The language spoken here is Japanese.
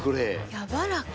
やわらか。